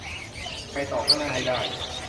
ไปต่อข้างหน้าให้ได้